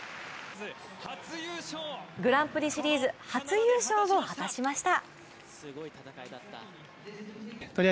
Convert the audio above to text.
グランプリシリーズ初優勝を果たしました。